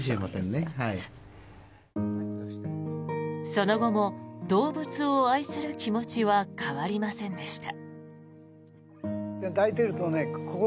その後も動物を愛する気持ちは変わりませんでした。